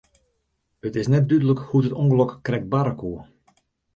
It is net dúdlik hoe't it ûngelok krekt barre koe.